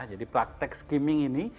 jadi praktek skimming ini